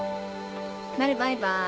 なるバイバーイ。